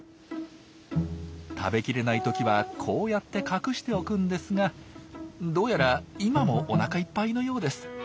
食べきれない時はこうやって隠しておくんですがどうやら今もおなかいっぱいのようです。